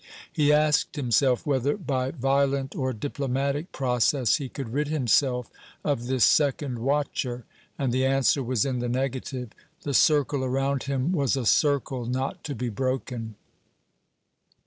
He asked himself whether by violent or diplomatic process, he could rid himself of this second watcher; and the answer was in the negative. The circle around him was a circle not to be broken.